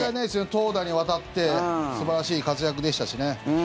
投打にわたって素晴らしい活躍でしたしね。